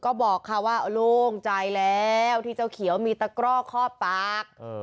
ก็บอกค่ะว่าโล่งใจแล้วที่เจ้าเขียวมีตะกร่อคอบปาก